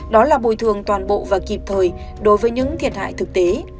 đó là bồi thường toàn bộ và kịp thời đối với những thiệt hại thực tế